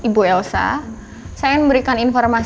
perkembangan kondisi anak saya